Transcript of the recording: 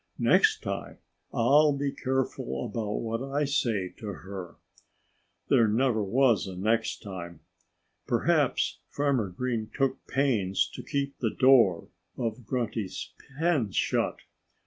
Next time I'll be careful about what I say to her." There never was a next time. Perhaps Farmer Green took pains to keep the door of Grunty's pen shut.